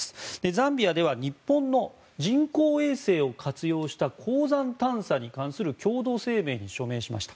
ザンビアでは日本の人工衛星を活用した鉱山探査に関する共同声明に署名しました。